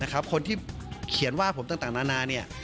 คนที่เขียนว่าผมต่างนานา